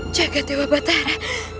jaga dewa batara